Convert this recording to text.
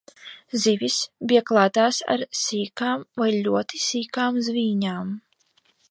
Zivis bija klātas ar sīkām vai ļoti sīkām zvīņām.